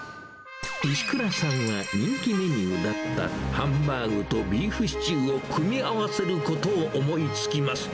石倉さんは、人気メニューだったハンバーグとビーフシチューを組み合わせることを思いつきます。